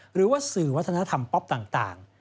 หรือว่าสื่อวัฒนธรรมป๊อปต่าง